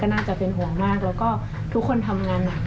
น่าจะเป็นห่วงมากแล้วก็ทุกคนทำงานหนัก